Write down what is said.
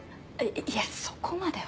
いやそこまでは。